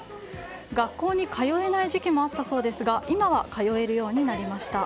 学校に通えない時期もあったそうですが今は通えるようになりました。